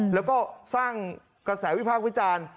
แล้วก็สร้างกระแสวิพากษ์วิจารณ์